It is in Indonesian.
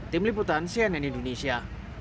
tim liputan cnn indonesia